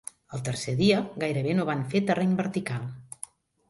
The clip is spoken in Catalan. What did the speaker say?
El tercer dia, gairebé no van fer terreny vertical.